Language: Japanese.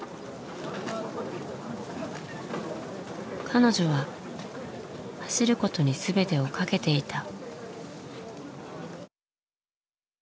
彼女は走ることに全てを懸けていた。